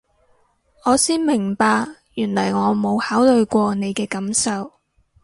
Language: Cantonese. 我先明白原來我冇考慮過你嘅感受